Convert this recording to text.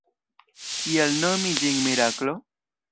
Kial nomi ĝin miraklo?